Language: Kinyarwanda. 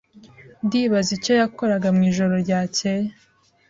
Ndibaza icyo yakoraga mwijoro ryakeye.